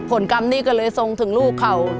ผลกรรมนี้ก็เลยทรงถึงลูกเขา